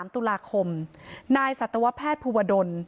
๓ตุลาคมนายสัตวแพทย์ภูวดล